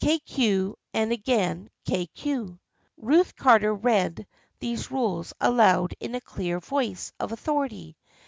K. Q. and again K. Q." Ruth Carter read these rules aloud in a clear voice of authority.